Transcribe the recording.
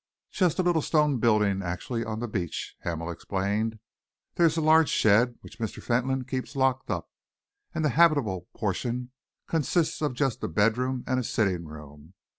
"Just a little stone building actually on the beach," Hamel explained. "There is a large shed which Mr. Fentolin keeps locked up, and the habitable portion consists just of a bedroom and sitting room.